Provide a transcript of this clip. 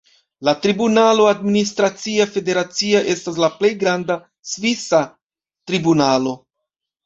La tribunalo administracia federacia estas la plej granda svisa tribunalo.